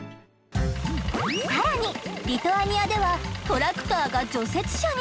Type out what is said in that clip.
さらにリトアニアではトラクターが除雪車に。